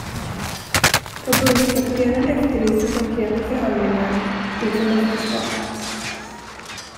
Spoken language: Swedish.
Förbundskaptenen efterlyste konkreta förhandlingar inför mästerskapet.